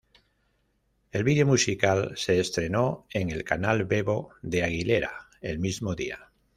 El vídeo musical se estrenó en el canal Vevo de Aguilera el mismo día.